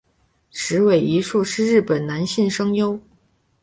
矢尾一树是日本男性声优。